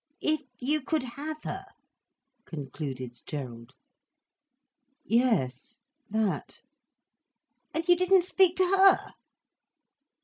"If you could have her?" concluded Gerald. "Ye es, that." "And you didn't speak to her?"